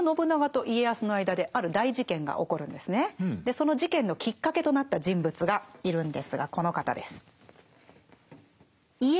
その事件のきっかけとなった人物がいるんですがこの方です。